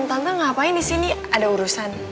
tante ngapain di sini ada urusan